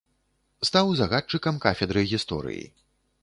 Стаў загадчыкам кафедры гісторыі.